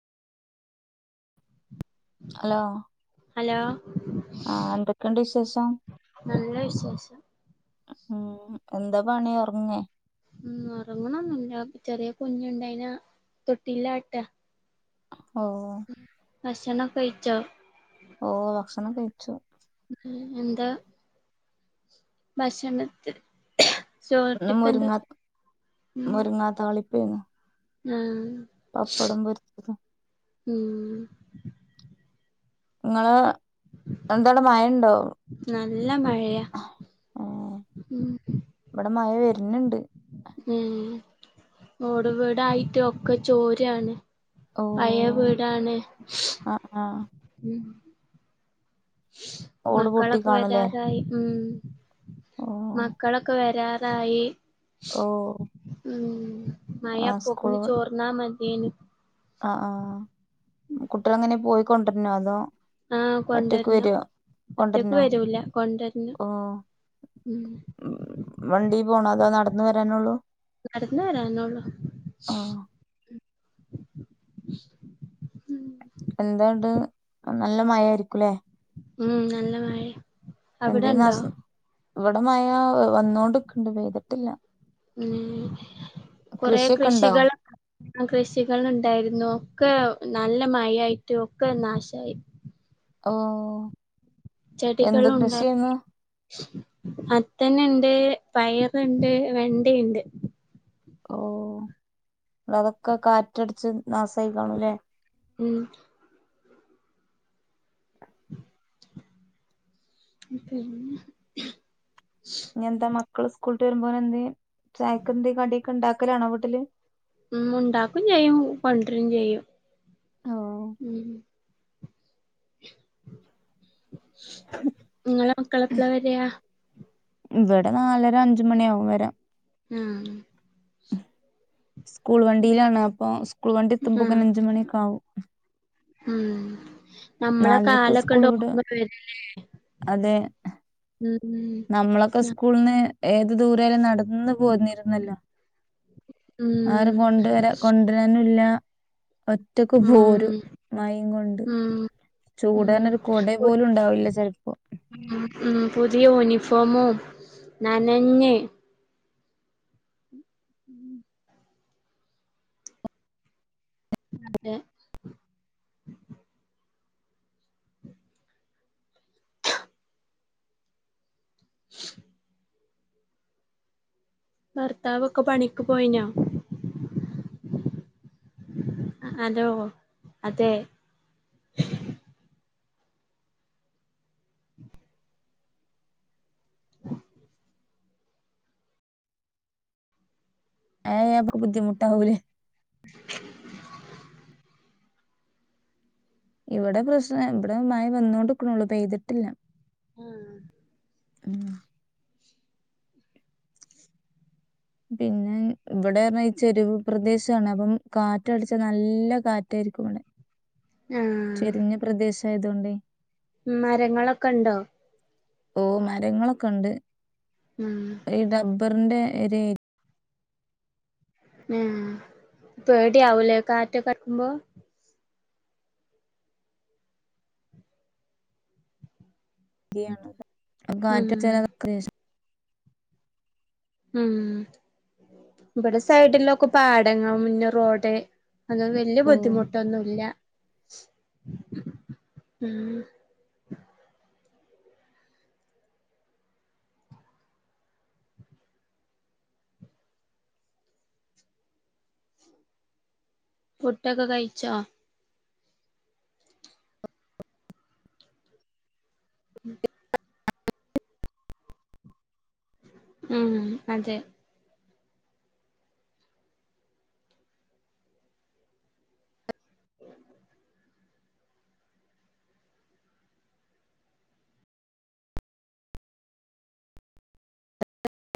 Hello hello ആഹ് എന്തൊക്കെയുണ്ട് വിശേഷം നല്ല വിശേഷം ഉം എന്താ പണി ഒറങ്ങേ ഉം ഉറങ്ങണന്നുല്ല ചെറിയ കുഞ്ഞുണ്ട് അയിന്നെ തൊട്ടില്ലാട്ട ഓഹ് ഭക്ഷണം ഒക്കെ കഴിച്ചോ ഓഹ് ഭക്ഷണം കഴിച്ചു ഉം എന്താ ഭക്ഷണത്തിന് ഇന്ന് മുരിങ്ങാ ഉം മുരിങ്ങാ താളിപ്പേന്നു. ആഹ് പപ്പടം പൊര്ച്ചതും ഉം ഇങ്ങളെ എന്തോടെ മഴണ്ടോ? നല്ല മഴയാ ഉം വടെ മഴ വര്ന്ന്ണ്ട്. ഉം ഓട് വീടായിട്ട് ഒക്കെ ചോരാണ്. ഓ പയേ വീടാണ് ആഹ് ആഹ് ഉം ഓട് പൊട്ടി മക്കളൊക്കെ കാണൂലേ വരാതായി ഉം ഓ മക്കളൊക്കെ വരാ തായി ഓ ഉം മയ ആഹ് അപ്പോക്ക്ന് ചോർ ന്നാ മത്യേനി. അഹ് ആഹ് കുട്ട്യാളെ എങ്ങനെ പോയിക്കൊണ്ടര്ന്നോ അതോ? ആഹ് ഒറ്റക്ക് കൊണ്ടരണം വരോ? ഒറ്റക്ക് കൊണ്ടര്ന്നോ? വരൂല കൊണ്ടരണം ഓഹ് ഉം. വണ്ടീ പോണോ. അതോ നട്ന്ന് വരാനുള്ളൂ? നട്ന്ന് വരാനൊള്ളു. ആഹ് എന്താണ്ട് നല്ല മഴായിരിക്കുംല്ലേ? ഉം നല്ല മഴേ എന്തെനാശം ഇവിടെ മഴ വന്നോണ്ട്ക്ക്ണ്ട്. പെയ്തിട്ട്ല്ല ഉം കൊറേ കൃഷിയൊക്കെ ഉണ്ടോ കൃഷികള ആഹ് കൃഷികള് ഇണ്ടായിരുന്നു. ഒക്കെ നല്ല മഴായിട്ട് ഒക്കെ നാശായി. ഓഹ് ചെടികളും ഉണ്ട മത്തന്ണ്ട്, പയറ്ണ്ട്, വെണ്ടിണ്ട്. ഓഹ് അതൊക്കെ കാറ്റട്ച്ച് നാസായിക്കാണുല്ലേ? ഉം [inaudible] ഇനി എന്താ മക്കള് സ്കൂൾട്ട് വരുമ്പോനെന്തെ ചായക്ക് എന്ത് കടിയൊക്കെ ഇണ്ടാക്കലാണോ വീട്ട്ല്? ഉം ഇണ്ടാക്കും ചെയ്യും. കൊണ്ടരും ചെയ്യും. ഓ ഉം. ഇങ്ങളെ മക്കളെ എപ്പള വര? ഇവടെ നാലര അഞ്ച് മണിയാവും വരാ ആഹ് സ്കൂൾ വണ്ടിയിലാണ്. അപ്പൊ സ്കൂൾ വണ്ടി ആഹ് എത്തുമ്പോക്ക്ന് അഞ്ച് മണിയൊക്കെ ആകും. ഉം നമ്മളെ നാലരക്ക് സ്കൂൾ കാലക്കെണ്ടോർമ വിടും വരലേ അതെ ഉം. നമ്മളൊക്കെ സ്കൂൾന്ന് ഏത് ദൂരായാലും നട്ന്ന് പോന്നിര്ന്നല്ലോ. ആരും കൊണ്ടുവരാ കൊണ്ട്രാനുല്ല. ഒറ്റക്ക് പോരും. മഴിം കൊണ്ട്. ചൂടാനൊരു കൊട പോലും ണ്ടാവില്ല ചെൽപ്പം ഉം ഉം പുതിയ യൂനിഫോമും നനഞ്ഞ് ഉം. അതെ. ഭർത്താവൊക്കെ പണിക്ക് പോയിനോ ഹലോ അതേ [unintelligible] ബുദ്ധിമുട്ടാവൂലെ ഇവിടെ പ്രശ്നം ഇവിടെ മഴ വന്നോണ്ടിക്കണൊള്ളു പെയ്തട്ടില്ല. ആഹ് ഉം പിന്നെ ഇവിടെ പറഞ്ഞ ചെരിവ് പ്രദേശാണ് അപ്പം കാറ്റ് അടിച്ചാ നല്ല കാറ്റായിരിക്കും ഇവിടെ. ആ, ചെരിഞ്ഞ പ്രദേശായതോണ്ടേ. ഉം മരങ്ങളൊക്കെണ്ടോ ഓഹ് മരങ്ങളൊക്കെണ്ട്. ഉം ഈ ഡബ്ബറിന്റെ ഒര് ആഹ് പേടിയാവൂലേ കാറ്റക്ക അടിക്കുമ്പൊ ഉം, [unintelligible] ഉം ഇവിടെ സൈഡിലൊക്കെ പാടങ്ങളും പിന്നെ റോഡ് അല്ലാതെ വല്ല്യ ഓ ബുദ്ധിമുട്ടൊന്നുല്ല ഉം പുട്ടൊക്കെ കഴിച്ചോ ഉം ഉം അതെ